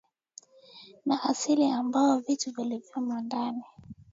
wa asili ambao vitu vyote vilivyomo ndani